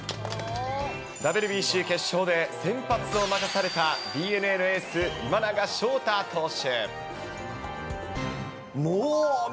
ＷＢＣ決勝で先発を任されたＤｅＮＡの投手、今永昇太投手。